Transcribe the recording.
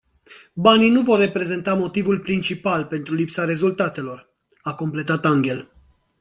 Banii nu vor reprezenta motivul principal pentru lipsa rezultatelor, a completat Anghel.